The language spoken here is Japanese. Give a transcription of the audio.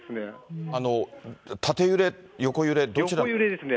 縦揺れ、横揺れ、どちらでし